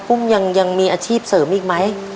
อุ้มยังมีอาชีพเสริมอีกไหม